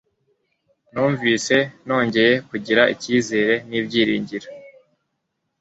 numvise nongeye kugira icyizere nibyiringiro